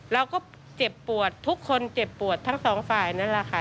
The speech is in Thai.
เราก็เจ็บปวดทุกคนเจ็บปวดทั้งสองฝ่ายนั่นแหละค่ะ